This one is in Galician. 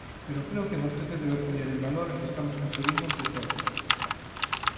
Pero creo que vostede debe poñer en valor o que estamos conseguindo entre todos.